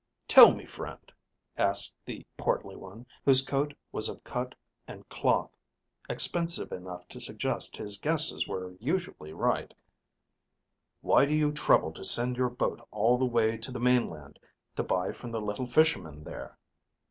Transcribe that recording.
"Tell me, friend," asked the portly one, whose coat was of cut and cloth expensive enough to suggest his guesses were usually right, "why do you trouble to send your boat all the way to the mainland to buy from the little fishermen there?